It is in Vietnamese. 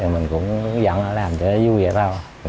mình cũng dẫn họ làm cho nó vui vậy thôi